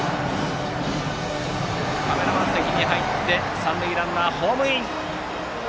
カメラマン席に入って三塁ランナー、ホームイン。